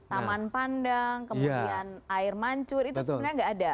taman pandang kemudian air mancur itu sebenarnya nggak ada